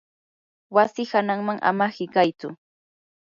wasi hananman ama hiqaytsu.